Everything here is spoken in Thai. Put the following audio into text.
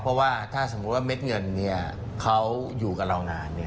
เพราะว่าถ้าสมมุติว่าเม็ดเงินเขาอยู่กับเรานาน